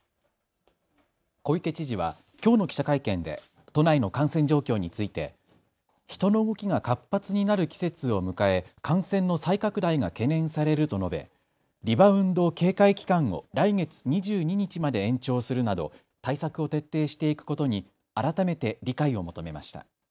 小池知事は、きょうの記者会見で都内の感染状況について人の動きが活発になる季節を迎え感染の再拡大が懸念されると述べリバウンド警戒期間を来月２２日まで延長するなど対策を徹底していくことに改めて理解を求めました。